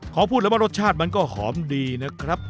ขอพูดเลยว่ารสชาติมันก็หอมดีนะครับ